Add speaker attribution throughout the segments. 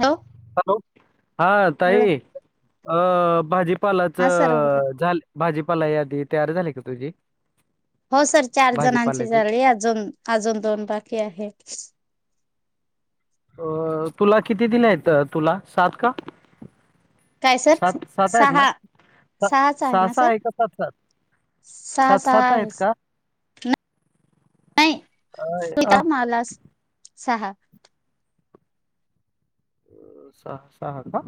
Speaker 1: Hello
Speaker 2: hello हा
Speaker 1: hello
Speaker 2: ताई अ भाजी पालाच
Speaker 1: हा सर बोला.
Speaker 2: झा भाजीपाला यादी तयार झाली का तुझी
Speaker 1: हो सर चार जणांची
Speaker 2: भाजीपाल्याची
Speaker 1: झाली अजून अजून दोन बाकी आहे.
Speaker 2: अ तुला किती दिले आहेत तुला सात का.
Speaker 1: काय सर
Speaker 2: सात सात आहेत ना
Speaker 1: सहा
Speaker 2: सा-
Speaker 1: सहाचा आहे
Speaker 2: सहा
Speaker 1: ना
Speaker 2: सहा
Speaker 1: सर
Speaker 2: का सात सात
Speaker 1: सहा
Speaker 2: सात
Speaker 1: सहा
Speaker 2: सात आहेत का
Speaker 1: आहे नाही
Speaker 2: अ, अ,
Speaker 1: सुताला सहा
Speaker 2: सहा सहा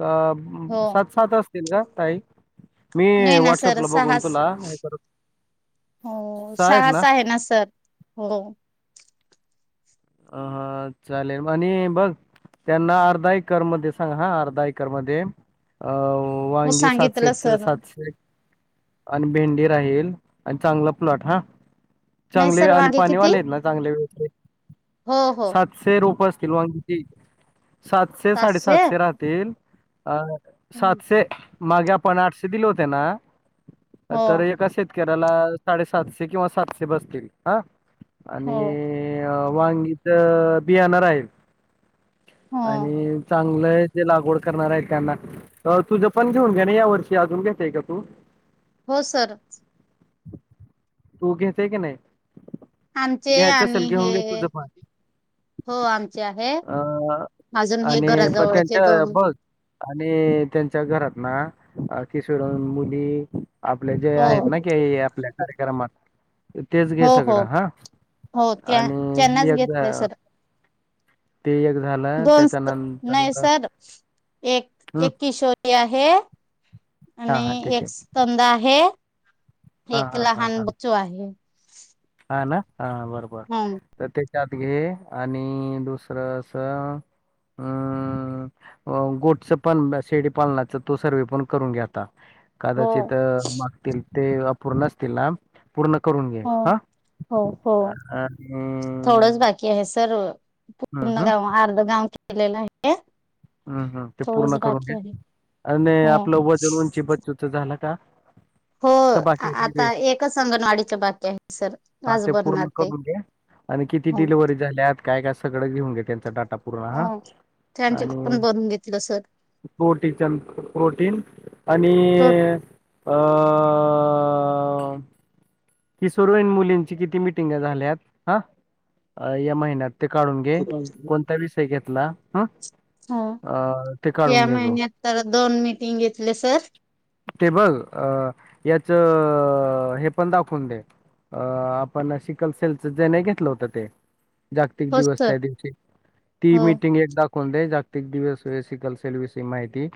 Speaker 2: का
Speaker 1: हो
Speaker 2: सात सात अस का ताई मी
Speaker 1: नाही ना सर
Speaker 2: व्हॉट्सअपला
Speaker 1: सहा
Speaker 2: बघून तुला हे कर
Speaker 1: हो सहा च आहे ना सर हो
Speaker 2: अ हा चालेल आणि बघ त्यांना अर्धा एकर मध्ये सांगा हा अर्धा एकर मध्ये अ हो वांगी सातशे
Speaker 1: सांगितलं सर
Speaker 2: सातशे आणि भेंडी राहील आणि चांगला प्लॉट हा
Speaker 1: नाही
Speaker 2: चांगले
Speaker 1: सर
Speaker 2: आणि
Speaker 1: वांगे किती
Speaker 2: पाणीवाले आहेत ना चांगले
Speaker 1: हो हो
Speaker 2: सातशे रूपये किलवा सातशे साडेसातशे राहतील अ
Speaker 1: हो
Speaker 2: सातशे मागे आपण आठशे दिले होते ना तर एका शेत कराला साडे सातशे किंवा सातशे बसतील ह आणि
Speaker 1: हो
Speaker 2: वांगीच बि येणार आहे
Speaker 1: हो
Speaker 2: आणि चांगलं जे लागवड करणार आहे त्यांना अ तुझं पण घेऊन घे ना या वर्षी अजून घेतताय का तू
Speaker 1: हो सर
Speaker 2: तू घेते की नाही
Speaker 1: आमचे
Speaker 2: घ्यायचं
Speaker 1: आणि
Speaker 2: असल घेऊन घे
Speaker 1: हे
Speaker 2: तुझपान
Speaker 1: हो आमचे आहे
Speaker 2: अं
Speaker 1: अजून हे
Speaker 2: आणि प
Speaker 1: घराजवळचे
Speaker 2: त्यांच्या
Speaker 1: दोन
Speaker 2: बघ आणि त्यांच्या घरात ना किशोर मुली आपले जे
Speaker 1: हो
Speaker 2: आहेत ना क आपल्या कार्यक्रमात तेच घे
Speaker 1: हो हो
Speaker 2: सगळं हा
Speaker 1: हो त्या
Speaker 2: आणि
Speaker 1: त्यांनाच
Speaker 2: एकदा
Speaker 1: घेतले सर दोन नाही सर एक
Speaker 2: हं,
Speaker 1: एक किशोरी आहे
Speaker 2: हां, हां,
Speaker 1: आणि
Speaker 2: ठीक
Speaker 1: एक
Speaker 2: आहे.
Speaker 1: तंदा आहे
Speaker 2: हां,
Speaker 1: एक
Speaker 2: हां, हां,
Speaker 1: लहान
Speaker 2: हां.
Speaker 1: ब्चू आहे
Speaker 2: हां ना हा बरोबर
Speaker 1: हो
Speaker 2: तर त्याच्यात घे आणि दुसरं अस अम् गोठच पण शेडीपालनाच तो सर्वे पण करून घ्याता
Speaker 1: हो
Speaker 2: कदाचित मागतील ते अपूर्ण असतील ना पूर्ण करून घे
Speaker 1: हो
Speaker 2: हा
Speaker 1: हो हो
Speaker 2: अ हम्म
Speaker 1: तर पूर्ण
Speaker 2: हम्म
Speaker 1: गाव अर्ध गाव केलेलं आहे
Speaker 2: हम् हम ते
Speaker 1: थोडंच
Speaker 2: पूर्ण करून
Speaker 1: बाकी आहे
Speaker 2: घ्या आणि
Speaker 1: हो
Speaker 2: आपलं वजन उंची बचूच झाला का
Speaker 1: हो
Speaker 2: का बाकी आहे ते
Speaker 1: आता एकच अंगणवाडीच्या बाकी आहे सर
Speaker 2: हा
Speaker 1: आज
Speaker 2: ते पूर्ण
Speaker 1: बनणार ते
Speaker 2: करून घे. आणि किती
Speaker 1: हो
Speaker 2: डिलि्हरी झाल्यात काय काय सगळं घेऊन घे त्यांचा डाटा
Speaker 1: हो छान
Speaker 2: प्रोटीच्या प्रोटीन आणि अ किशोरवीन मुली कित्ती मिटिंग
Speaker 1: रोट
Speaker 2: झाल्या या महिन्यात काढून घे कोण विषय घ ला हा
Speaker 1: हो या महिन्यात तर दोन मिीटिंग घेतले सर
Speaker 2: टेबल अ याच हे पण दाखवून दे अं आपण शिकल असेलच जे नाही घेतलं होतं ते जागतिक
Speaker 1: हो
Speaker 2: दिवस
Speaker 1: सर
Speaker 2: त्या दिवशी ती
Speaker 1: हो
Speaker 2: मिीटिंग एकदा दावून दे जागतिक दिवस वयस कलसेल विषयी माहिती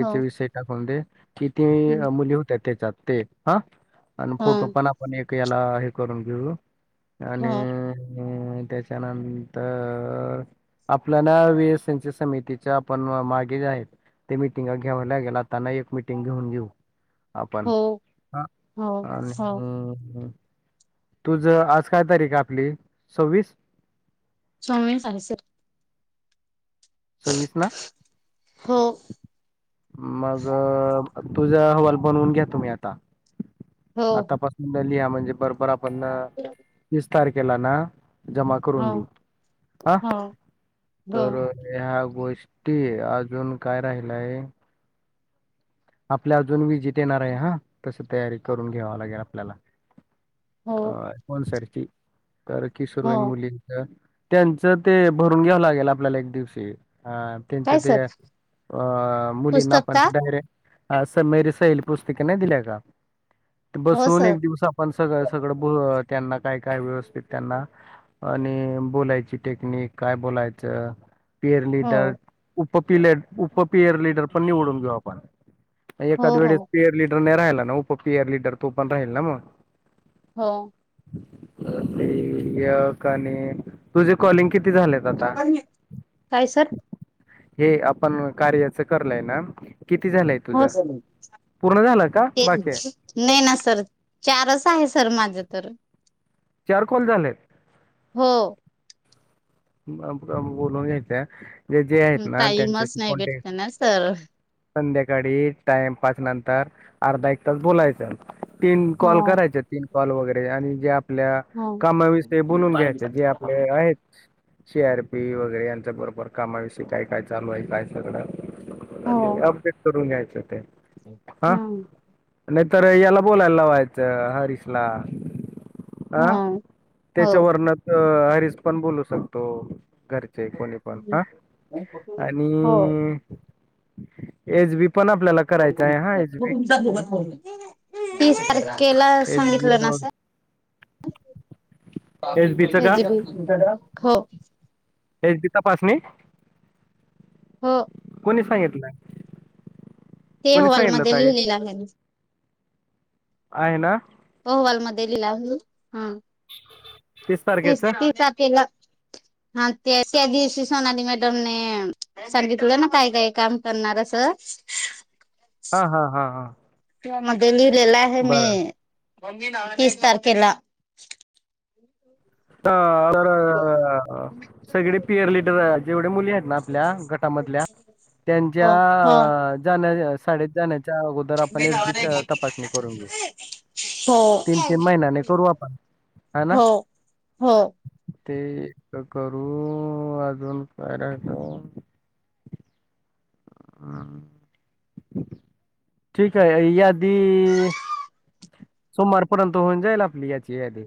Speaker 1: हो
Speaker 2: विषय टाकवून दे किती
Speaker 1: हं,
Speaker 2: मुली होत्या त्याच्यात ते ह आणि
Speaker 1: हो
Speaker 2: फोटो पण आपण एक याला हे करून घेऊ आणि
Speaker 1: हो
Speaker 2: अम् त्याच्यानंतर आपल्या ना वीएस समितीच्या आपण मागे आहेत ते मीटिंग घ्यावां लागेलताना एक घेऊन घेऊ आपण
Speaker 1: हो
Speaker 2: ह
Speaker 1: हो
Speaker 2: आणि
Speaker 1: हो
Speaker 2: तुझ आज काय तारीख आहे आपली सव्वीस
Speaker 1: सोमन सनसर
Speaker 2: स्वीस ना
Speaker 1: हो
Speaker 2: मग तुझ हवाल बनवून घ्या तुम्ही आता
Speaker 1: हो
Speaker 2: आतापसून लिहा म्हणजे बरोबर आपण
Speaker 1: हो
Speaker 2: तीस तारखेला ना जमा करून देऊ
Speaker 1: हो
Speaker 2: हा
Speaker 1: हो
Speaker 2: तर ह गोष्टी अजून काय राहिलय आपल्या अजून विजीट येणार आहे हा तस तयारी करून घ्यावा लागेल आपल्याला
Speaker 1: हो
Speaker 2: अ फन सारखी तर किसर
Speaker 1: हो
Speaker 2: होईन मुलींच त्यांचं ते भरून घ्यावं लागेल आपल्याला एक दिवशी ह त्यांच्या
Speaker 1: काय
Speaker 2: ते
Speaker 1: सर
Speaker 2: अ मुलींना
Speaker 1: पुस्तक
Speaker 2: पण
Speaker 1: का
Speaker 2: ते डायरेट अ मेरी सैल पुस्तिकेने दिल्या का ते
Speaker 1: हो
Speaker 2: बसून
Speaker 1: सर
Speaker 2: एक दिवस आपण सगळ सगळं त्यांना काय काय व्यवस्थित त्यांना आणि बोलायची टेक्निक काय बोलायचं
Speaker 1: हो
Speaker 2: पिर िडर उपप उपपियर िडर पण निवडून घेऊ आपण
Speaker 1: हो
Speaker 2: एखाद
Speaker 1: हो
Speaker 2: वेळेस पीयर लीडर नाही राहिला ना उप पियर लीडर तो पण राहील ना मग
Speaker 1: हो
Speaker 2: क का आणि तुझे कॉलिंग किती? किती झालेत आता?
Speaker 1: काय सर
Speaker 2: हे आपण कार्याच करलय ना किती झालंय तुझ?
Speaker 1: हो सर
Speaker 2: पूर्ण झालं का
Speaker 1: ते
Speaker 2: बाकी आहे
Speaker 1: नाही ना सर चारच आहे सर माझं तर.
Speaker 2: चार कॉल झालेत.
Speaker 1: हो.
Speaker 2: [unintelligible] नयेत जे जे आहेत ना
Speaker 1: टाईमच
Speaker 2: त्यांच्याशी
Speaker 1: नाही
Speaker 2: कॉन्टॅक्ट
Speaker 1: भेटत ना सर
Speaker 2: संध्याकाळी टाइम पाास नंतर अर्धा एक तास बोलायचं. तीन
Speaker 1: हो
Speaker 2: कॉल करायचे तीन कॉल वगैरे आणि जे आपल्या
Speaker 1: हो
Speaker 2: कामाविषयी बोलून घ्यायचे जे आपले आहेत. सी आर पी वगैरे यांच्या बरोबर कामाविषयी काय काय चालू आहे काय सगळं.
Speaker 1: हो
Speaker 2: अपडेट करून घ्यायचं ते.
Speaker 1: हम्म
Speaker 2: तर याला बोलायला लावायचं हरीशला.
Speaker 1: हा
Speaker 2: अं
Speaker 1: हो
Speaker 2: त्याच्या वर्णच हरीश पण बोलू शकतो? घरचे कोणी पण हा
Speaker 1: हो
Speaker 2: आणि एज बी [unintelligible] आपल्याला करायच हच
Speaker 1: तीस तारखेला सांगितलं ना
Speaker 2: [unintelligible] ह
Speaker 1: सर
Speaker 2: बीच का
Speaker 1: हो
Speaker 2: हेची तपासणी
Speaker 1: हो
Speaker 2: कोणी सांगितलं?
Speaker 1: ते
Speaker 2: कोणी सांगितलं
Speaker 1: हॉलमध्ये
Speaker 2: ताई
Speaker 1: लिहिलेलं आहे मी.
Speaker 2: आहे ना
Speaker 1: अहवाल मध्ये लिहला आहे हा
Speaker 2: तीस
Speaker 1: तेच
Speaker 2: तारखेच
Speaker 1: [unintelligible] केला.
Speaker 2: [inaudible]
Speaker 1: हा त्या त्या दिवशी सोनाली मॅडमनेे सांगितलं ना काय काय काम करणार असं.
Speaker 2: हा हा हा हा
Speaker 1: मध्ये लिहिलेला आहे
Speaker 2: बरं
Speaker 1: मी तीस तारखेला.
Speaker 2: हा आर्थर. सगळे पियर लिडर जेवढे मुली आहेत ना आपल्या गटामधल्या त्यांच्या
Speaker 1: हो हो
Speaker 2: अ जाण्या शाळेत जाण्या च्या अगोदर आपण एस बी तपासणी करून घेऊ तीन
Speaker 1: हो
Speaker 2: तीन महिन्याने करू आपण. हा ना
Speaker 1: हो हो
Speaker 2: ते करू अजून काय राहील. आ ठीक आहे यादी सोमवारपर्यंत होऊन जाईल आपली याची यादी.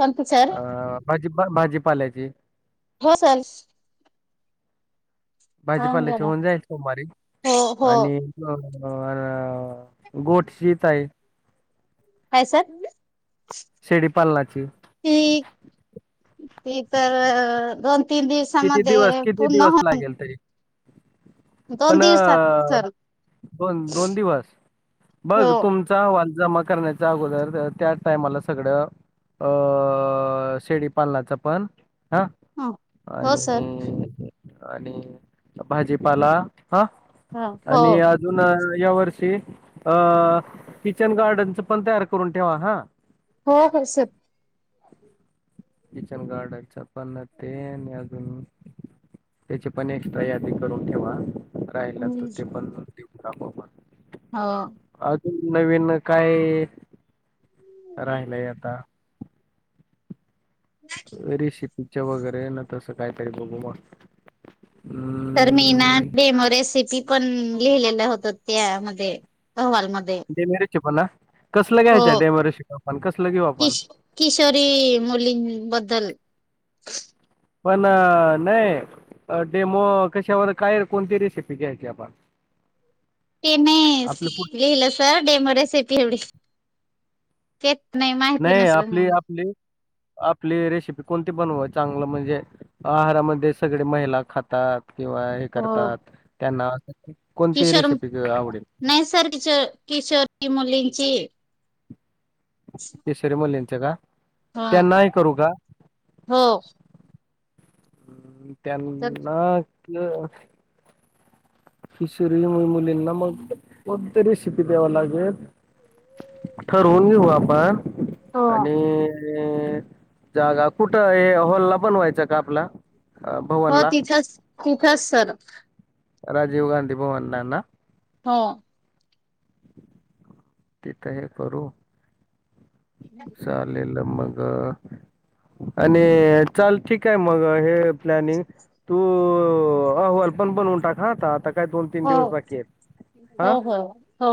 Speaker 1: पण सर
Speaker 2: अ भाजी भाजी पाल्याची.
Speaker 1: हो सर.
Speaker 2: भाजीपाल्याचे होऊन जायल सोमवारीे
Speaker 1: हो हो
Speaker 2: आणि होर गोठ शीत आहे.
Speaker 1: काय सर?
Speaker 2: शेळी पालनाची
Speaker 1: ती ती तर दोन तीन
Speaker 2: किती
Speaker 1: दिवसामध्ये
Speaker 2: दिवस
Speaker 1: पूर्ण होऊन.
Speaker 2: पणं
Speaker 1: सर
Speaker 2: दोन दोन दिवस
Speaker 1: हो
Speaker 2: बघ तुमचा जमा करण्याच्या अगोदर त्या टाइमाला सगळं अ शेडी पालनाच पण हा
Speaker 1: हो सर
Speaker 2: आणि आणि भाजीपाला हा
Speaker 1: हो हो
Speaker 2: आणि अजून या वर्षी अ किचन गार्डनच पण तयार करून ठेवा हा
Speaker 1: हो हो सर
Speaker 2: किचन गार्डनच्या पण ते आणि अजून त्याची पण एक्स्ट्रा यादी करून ठेवा राहिला तर ते पण काप
Speaker 1: हो
Speaker 2: नवीन काय राहिलय आता रेसिपीच्या वगैरे ना तसं काहीतरी बघू मग
Speaker 1: तर मी ना
Speaker 2: अम्म
Speaker 1: डेमो रेसिपी पण लिहिलेल होत त्यामध्ये अहवाल मध्ये
Speaker 2: डेमेरची पण ना कसलं
Speaker 1: हो
Speaker 2: घ्यायचं डेमोरेसिपी आपण कसलं घेऊ
Speaker 1: कि
Speaker 2: आपण
Speaker 1: किशोरी मुली बद्दल बदल
Speaker 2: पण नाही डेमो कशावर काय कोणती रेसिपी घ्यायची आपण [inaudible]
Speaker 1: ते नाही
Speaker 2: आपली कुठ
Speaker 1: लिहिलं सर डेमो रेसिपी एवढी माहिती
Speaker 2: नाही
Speaker 1: ना सर
Speaker 2: आपली आपली आपली रेसिपी कोणती बन चांगलं म्हणजे आहारामध्ये सगळे महिला खातात किंवा हे
Speaker 1: हो
Speaker 2: करतात त्याना नावासाठी
Speaker 1: किशोर नाही सर किशो किशोरी मुली जी
Speaker 2: किशोरी मुलींच का
Speaker 1: हा
Speaker 2: त्यांना हे करू का
Speaker 1: हो
Speaker 2: ह्
Speaker 1: तर
Speaker 2: त्यांना क किशोरी मई मुलीना मग कोणती रेशीपी द्यावालागेल ठरवून घेऊ आपण आणि
Speaker 1: हो
Speaker 2: ते जागा कुठं हे हॉल ला बनवायचा का आपला अ,
Speaker 1: हो
Speaker 2: भवनला
Speaker 1: तिथेच तिथेच सर
Speaker 2: राजीव गांधी भवन ना ना
Speaker 1: हा
Speaker 2: तिथं हे करू चालेल मग आणि चाल ठीक आहे मग हे प्लॅनिंग तू अहवाल पण बनवून टाकहा आता काय दोन तीन
Speaker 1: हो
Speaker 2: दिवस बाकीयत
Speaker 1: हो हो हो हो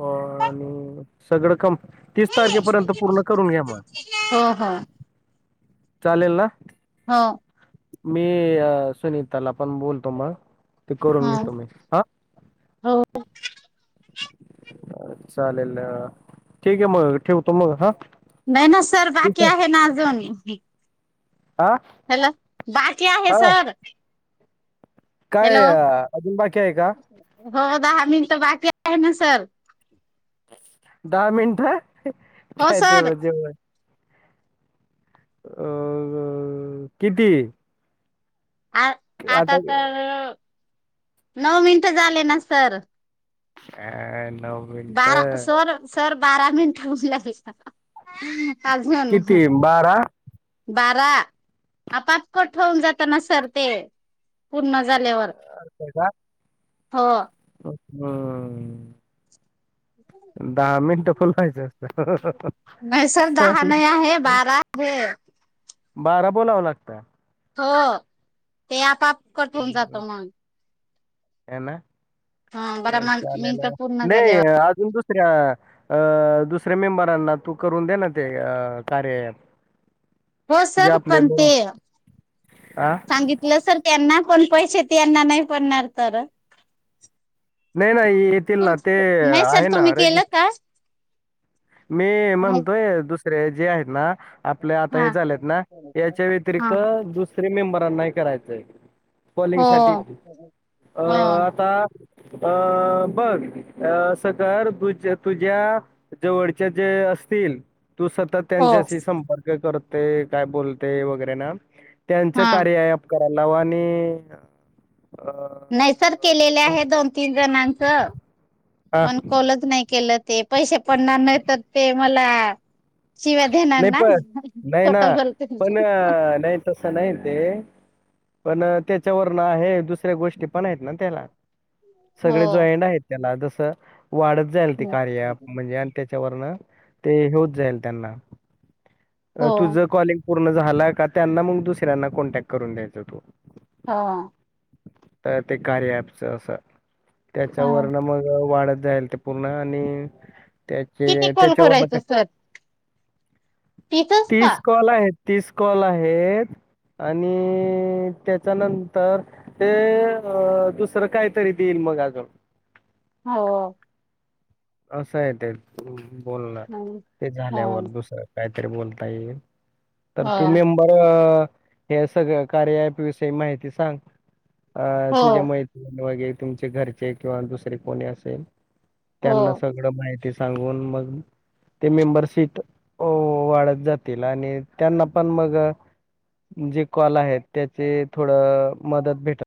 Speaker 2: आणि सगळं काम तीस तारखेपर्यंत पूर्ण करून घ्या मग
Speaker 1: हो हो
Speaker 2: चालेल ना
Speaker 1: हा
Speaker 2: मी सुनीताला पण बोलतो मग ते करून घेतो मी हा
Speaker 1: हो
Speaker 2: चालेल ठीक आहे मग ठेवतो मग हा
Speaker 1: नाही ना सर बाकी आहे ना अजून
Speaker 2: हा
Speaker 1: हॅलो बाकी आहे
Speaker 2: हा
Speaker 1: सर
Speaker 2: काय
Speaker 1: हॅलो
Speaker 2: अजून बाकी आहे का
Speaker 1: हो दहा मिनटं बाकी आहे ना सर
Speaker 2: दहा मिनट ह
Speaker 1: हो
Speaker 2: काय
Speaker 1: सर
Speaker 2: तेवढ जेव अ किती
Speaker 1: आ आता तर नऊ मिनट झाले ना सर
Speaker 2: का
Speaker 1: बारा सर सर बारा मिनट होऊन लागल
Speaker 2: किती
Speaker 1: अजून
Speaker 2: बारा
Speaker 1: बारा आपाप कट होऊन जाताना सरते पुर्ण
Speaker 2: अ काय का
Speaker 1: हा
Speaker 2: हम्म दहा मिनिटं बोलवायचं असतं
Speaker 1: नाही सर दहा
Speaker 2: चालेल
Speaker 1: नाही आहे बारा हम्
Speaker 2: बारा बोलावं लागतं
Speaker 1: हो ते आपाप कट होवुन जातं मग
Speaker 2: ह ना
Speaker 1: ह बरा मग
Speaker 2: चालेल
Speaker 1: मिनट पूर्ण
Speaker 2: नाही
Speaker 1: झाल्यावर
Speaker 2: अजून तु दुऱ्या अ दुसऱ्या मेंबरांना तू करून दे ना ते अ कार्य [inaudible]
Speaker 1: हो
Speaker 2: जे
Speaker 1: सर
Speaker 2: आपले
Speaker 1: पण ते
Speaker 2: मेम- आ?
Speaker 1: सांगितलं सर त्यांना पण पैसे तेना नाही पडणार तर
Speaker 2: नाही नाही येतील ना ते
Speaker 1: नाही सर
Speaker 2: आहे ना
Speaker 1: तुम्ही
Speaker 2: अरे
Speaker 1: केलं का
Speaker 2: मी
Speaker 1: नाही
Speaker 2: म्हणतोय दुसरे जे आहेत ना आपल्या आता
Speaker 1: हा
Speaker 2: हे झालेत ना याच्या
Speaker 1: हा
Speaker 2: व्यतिरिक्त दुसर मेंबर नाही करायचं पलिंग
Speaker 1: हो
Speaker 2: साठी अ..
Speaker 1: हो
Speaker 2: आता अ बघ अस कर दुज तुझ्या जवळचे जे असतील तु सतत
Speaker 1: हो
Speaker 2: त्यांच्याशी संपर्क करत ते काय बोलते वगैरे ना त्यांच
Speaker 1: हा
Speaker 2: कार्य आह कराय लावा आणि अ,
Speaker 1: नैसर केलेले आहे दोन तीन जणांनच
Speaker 2: हां,
Speaker 1: पण काँलच नाही केल ते पैसे पडणार नाही तर ते मला शिव्या देणार
Speaker 2: नाही
Speaker 1: ना
Speaker 2: पण नाही
Speaker 1: छोट
Speaker 2: ना
Speaker 1: बोलते
Speaker 2: पण नाही तसं नाही ते पण त्याच्यावरन आहे दुसऱ्या गोष्टी पण आहेत ना त्याला
Speaker 1: हो
Speaker 2: सगळे जॉईंट आहेत त्याला जस वाढत जाईल ते कार्य अँप म्हणजे आणि त्या त्यावरन ते होत जाईल त्यांना
Speaker 1: हो
Speaker 2: तुझ कॉलिंग पूर्ण झाला का त्यांना मग दुसऱ्यांना कॉन्टॅक्ट करून द्यायच तू
Speaker 1: हा
Speaker 2: तर ते कार्य अँपच असं त्याच्या
Speaker 1: हो
Speaker 2: वरन मग वाढत जाईल ते पूर्ण आणि
Speaker 1: किती
Speaker 2: त्याचे
Speaker 1: कोल
Speaker 2: त्याच्यावर का
Speaker 1: खोलायचं सर तीसच का
Speaker 2: तीस कॉल आहेत तीस कॉल आहेत आणि त्याच्यानंतर ते अ दुसरं कायतरी देईल मग आजुन
Speaker 1: हो
Speaker 2: असं आहे ते बोलणार
Speaker 1: हम्म.
Speaker 2: ते झाल्यावर
Speaker 1: हो
Speaker 2: दुसरं काय बोलता येईल तर
Speaker 1: हो
Speaker 2: तु मेंबर हे सगळं कार्य अँप विषयी माहिती सांग अ
Speaker 1: हो
Speaker 2: तुझ्या माहिती व तुमचे घरचे किंवा दुसर कोणी असेल
Speaker 1: हो
Speaker 2: त्यांना सगळं माहिती सांगून मग ते मेंबरशिप अ वाढत जातील आणि त्यांना पण मग जे कॉल आहेत त्याचे थोडं मदत भेटत